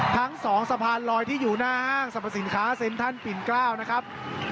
ทั้ง๒สะพานลอยที่อยู่หน้าห้างสรรพสินค้าเซ็นทรัลปิ่นเกล้านะครับ